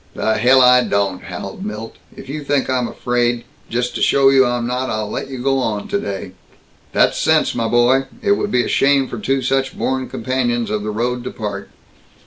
"The hell I don't!" howled Milt. "If you think I'm afraid Just to show you I'm not, I'll let you go on today!" "That's sense, my boy. It would be a shame for two such born companions of the road to part!"